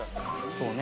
そうね。